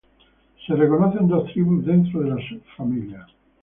Se reconocen dos tribus dentro de la subfamilia.